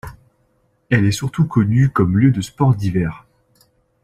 Elle est surtout connue comme lieu de sports d'hiver.